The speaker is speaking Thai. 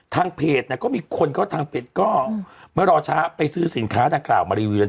ทางเฟซนี่ก็มีคนเขียวทางเฟซก็ไม่รอช้าไปซื้อสินค้าดังกล่าวมารีวิวเดี๋ยว